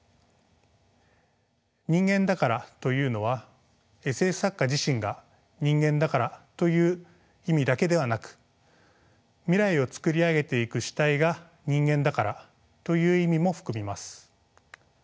「人間だから」というのはＳＦ作家自身が人間だからという意味だけではなく未来を作り上げていく主体が人間だからという意味も含みます。